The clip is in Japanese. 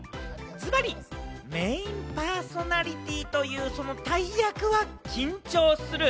ずばりメインパーソナリティーというその大役は、緊張する？